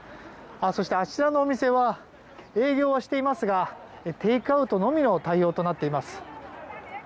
そして、あちらのお店は営業はしていますがテイクアウトのみの対応となっています。